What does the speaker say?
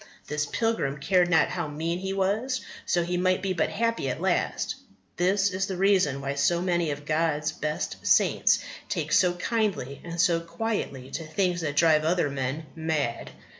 This pilgrim cared not how mean he was, so he might be but happy at last. That is the reason why so many of God's best saints take so kindly and so quietly to things that drive other men mad.